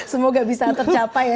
semoga bisa tercapai ya